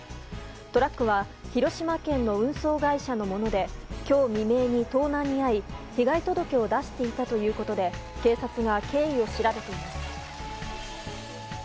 トラックは広島県の運送会社のもので今日未明に盗難に遭い被害届を出していたということで警察が経緯を調べています。